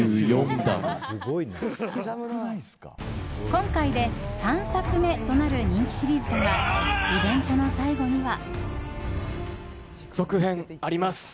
今回で３作目となる人気シリーズだがイベントの最後には。